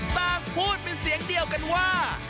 ต่างพูดเป็นเสียงเดียวกันว่า